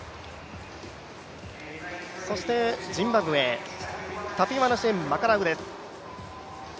そしてジンバブエ、タピワナシェ・マカラウです。